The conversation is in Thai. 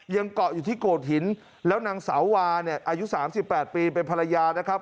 ยังเกาะอยู่ที่โกดหินแล้วนางสาวาเนี้ยอายุสามสิบแปดปีเป็นภรรยานะครับ